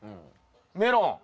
メロン。